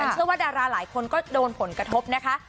เชื่อว่าดาราหลายคนก็โดนผลกระทบนะคะ